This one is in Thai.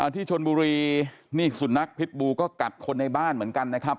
ที่ชนบุรีนี่สุนัขพิษบูก็กัดคนในบ้านเหมือนกันนะครับ